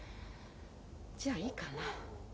じゃいいかな。